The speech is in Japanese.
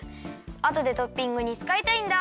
あとでトッピングにつかいたいんだ。